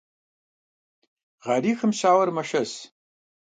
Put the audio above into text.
Гъэрихым щауэр мэшэс.